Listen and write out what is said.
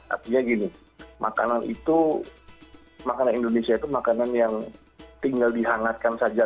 artinya gini makanan itu makanan indonesia itu makanan yang tinggal dihangatkan saja